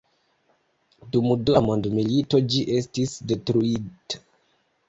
Dum Dua mondmilito ĝi estis detruita.